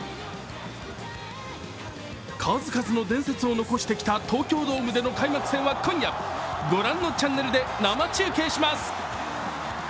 数々の伝説を残してきた東京ドームでの開幕戦は今夜ご覧のチャンネルで生中継します。